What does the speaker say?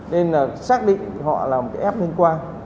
cái lấy nhiễm là rất cao nên là xác định họ là một cái f liên quan